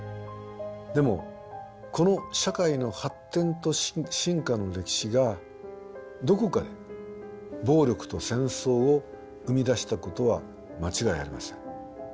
でもこの社会の発展と進化の歴史がどこかで暴力と戦争を生み出したことは間違いありません。